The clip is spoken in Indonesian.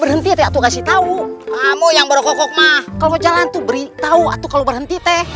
berhenti atau kasih tahu kamu yang baru kok maaf kalau jalan tuh berita warna kalau berhenti teh